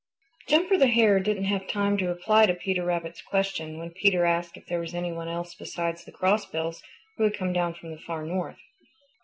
Jumper the Hare didn't have time to reply to Peter Rabbit's question when Peter asked if there was any one else besides the Crossbills who had come down from the Far North.